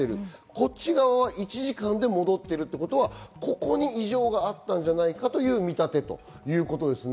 こっち側は１時間で戻ってるってことは、ここに異常があったんじゃないかという見立てということです。